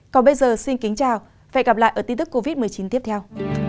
còn bây giờ xin kính chào và hẹn gặp lại ở tin tức covid một mươi chín tiếp theo